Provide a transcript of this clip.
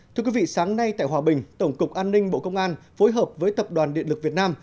thưa quý vị sáng nay tại hòa bình tổng cục an ninh bộ công an phối hợp với tập đoàn điện lực việt nam